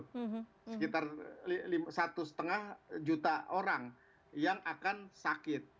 sekitar satu lima juta orang yang akan sakit